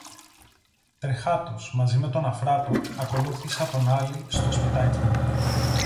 Τρεχάτος, μαζί με τον Αφράτο, ακολούθησα τον Άλη στο σπιτάκι μου.